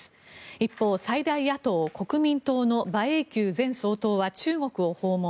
一方、最大野党・国民党の馬英九前総統は中国を訪問。